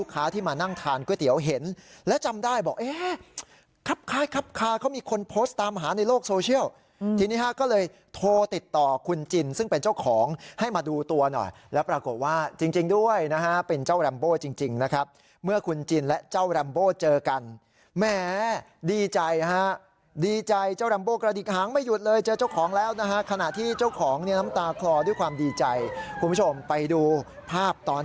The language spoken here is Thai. ก็เลยโทรติดต่อคุณจินซึ่งเป็นเจ้าของให้มาดูตัวหน่อยแล้วปรากฏว่าจริงด้วยนะฮะเป็นเจ้าลัมโบ่จริงนะครับเมื่อคุณจินและเจ้าลัมโบ่เจอกันแหมดีใจฮะดีใจเจ้าลัมโบ่กระดิกหางไม่หยุดเลยเจอเจ้าของแล้วนะฮะขณะที่เจ้าของเนี่ยน้ำตาคลอด้วยความดีใจคุณผู้ชมไปดูภาพตอนท